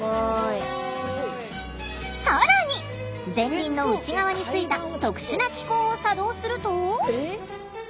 更に前輪の内側についた特殊な機構を作動すると。